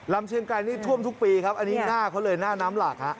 เชียงไกรนี่ท่วมทุกปีครับอันนี้หน้าเขาเลยหน้าน้ำหลากฮะ